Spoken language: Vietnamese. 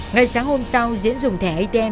ngày sáng hôm sau diễn dùng thẻ atm